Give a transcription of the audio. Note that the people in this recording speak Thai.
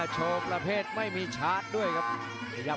โชว์ประเภทไม่มีชาร์จด้วยครับ